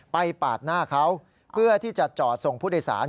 ปาดหน้าเขาเพื่อที่จะจอดส่งผู้โดยสาร